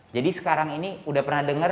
jadi sekarang ini udah pernah denger